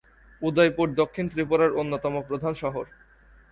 উদয়পুর দক্ষিণ ত্রিপুরার অন্যতম প্রধান শহর।